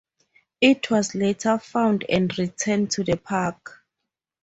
It was later found and returned to the park.